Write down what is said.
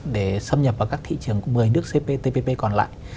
để xâm nhập vào các thị trường một mươi nước cptpp còn lại